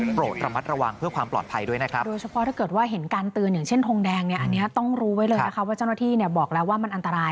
โปรดระมัดระวังเพื่อความปลอดภัยด้วยนะครับ